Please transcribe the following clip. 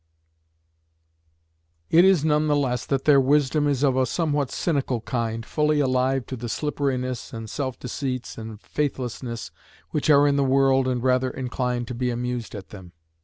It is none the less that their wisdom is of a somewhat cynical kind, fully alive to the slipperiness and self deceits and faithlessness which are in the world and rather inclined to be amused at them.